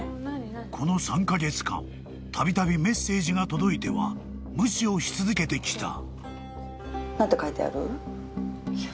［この３カ月間たびたびメッセージが届いては無視をし続けてきた］